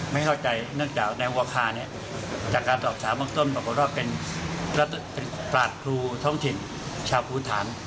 ไม่เข้าใจเนื่องจากว่าค่าจากการสอบตามว่าก็ต้นปรากฏรออกเป็นราชภูท้องถิ่นชาวผู้ฐาน